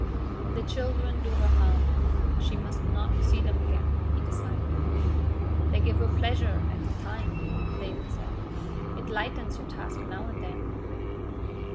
"The children do her harm; she must not see them again," he decided. "They give her pleasure at the time," David said. "It lightens your task now and then."